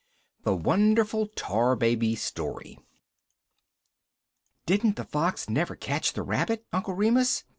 THE WONDERFUL TAR BABY STORY "Didn't the fox never catch the rabbit, Uncle Remus?"